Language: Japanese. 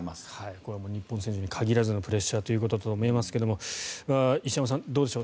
これは日本選手に限らずのプレッシャーということだと思いますが石山さん、どうでしょう。